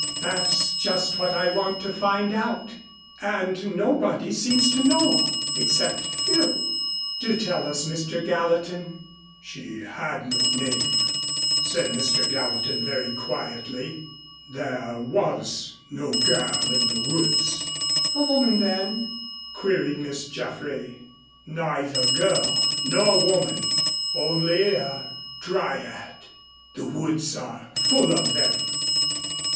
"That's just what I want to find out. And nobody seems to know, except Phil." "Do tell us, Mr. Gallatin." "She had no name," said Mr. Gallatin very quietly. "There was no girl in the woods." "A woman, then?" queried Miss Jaffray. "Neither girl nor woman only a Dryad. The woods are full of them.